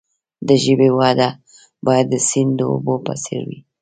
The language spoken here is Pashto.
د ژبې وده باید د سیند د اوبو په څیر وي.